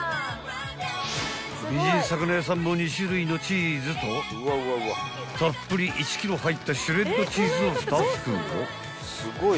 ［２種類のチーズとたっぷり１ｋｇ入ったシュレッドチーズを２袋］